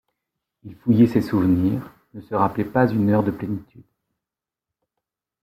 Il fouillait ses souvenirs, ne se rappelait pas une heure de plénitude.